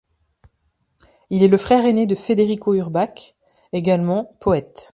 Il est le frère aîné de Federico Uhrbach, également poète.